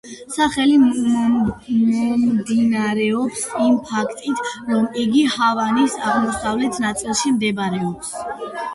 სახელი მომდინარეობს იმ ფაქტით, რომ იგი ჰავანის აღმოსავლეთ ნაწილში მდებარეობს.